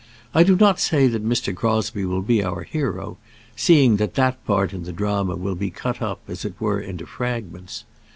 I do not say that Mr. Crosbie will be our hero, seeing that that part in the drama will be cut up, as it were, into fragments.